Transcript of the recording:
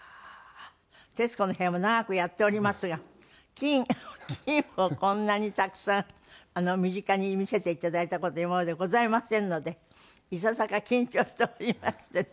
『徹子の部屋』も長くやっておりますが金金をこんなにたくさん身近に見せて頂いた事今までございませんのでいささか緊張しておりましてね。